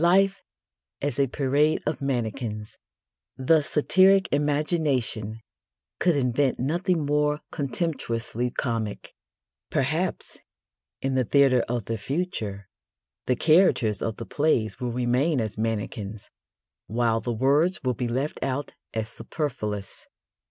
Life as a parade of mannequins the satiric imagination could invent nothing more contemptuously comic. Perhaps, in the theatre of the future, the characters of the plays will remain as mannequins, while the words will be left out as superfluous.